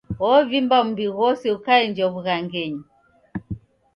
Wovimba mbi ghose ukaenjwa w'ughangenyi.